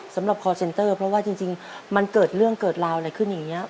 คอร์เซ็นเตอร์เพราะว่าจริงมันเกิดเรื่องเกิดราวอะไรขึ้นอย่างนี้